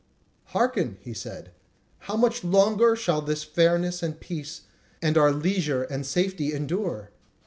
"Hearken!" he said; "how much longer shall this fairness and peace, and our leisure and safety endure?